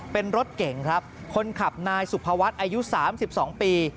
เป็นรถเก่งครับคนขับนายสุภวัฒน์อายุ๓๒ปี